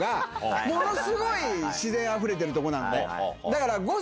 ものすごい自然あふれてるとこなのね。